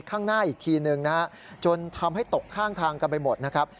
ข้างหน้าอีกทีหนึ่งนะฮะจนทำให้ตกข้างทางกันไปหมดนะครับ